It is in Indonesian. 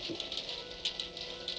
aku tidak mendapat keterangan mengenai hal itu